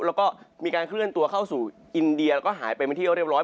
แล้วก็มีการเคลื่อนตัวเข้าสู่อินเดียแล้วก็หายไปเป็นที่เรียบร้อย